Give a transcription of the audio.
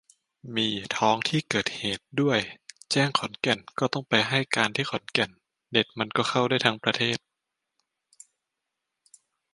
มี 'ท้องที่เกิดเหตุ' ด้วย แจ้งขอนแก่น ก็ต้องไปให้การที่ขอนแก่น เน็ตมันก็เข้าได้ทั้งประเทศ